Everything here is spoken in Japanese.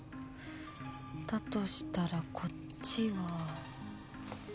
だとしたらこっちは。